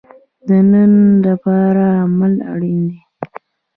د نن لپاره عمل اړین دی